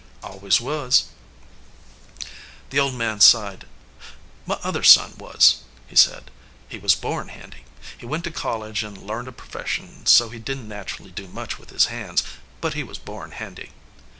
"Always was." The old man sighed. "My other son was," he said. "He was born handy. He went to college an learned a profession, so he didn t naturally do much with his hands, but he was born handy."